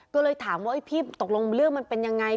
ก็เลยถามว่าพี่ตกลงเรื่องมันเป็นยังไง